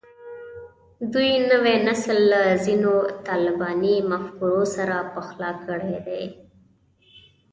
دوی نوی نسل له ځینو طالباني مفکورو سره پخلا کړی دی